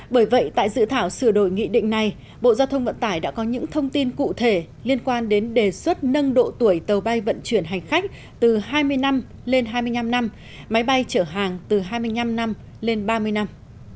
bởi vậy tại dự thảo sửa đổi nghị định này bộ giao thông vận tải đã có những thông tin cụ thể liên quan đến đề xuất nâng độ tuổi tàu bay vận chuyển hành khách từ hai mươi năm lên hai mươi năm năm máy bay chở hàng từ hai mươi năm năm lên ba mươi năm